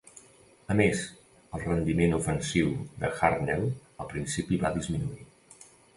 A més, el rendiment ofensiu de Hartnell al principi va disminuir.